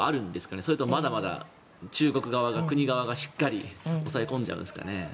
それともまだまだ中国側、国側がしっかり抑え込んじゃうんですかね。